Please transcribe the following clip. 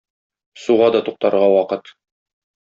Суга да туктарга вакыт.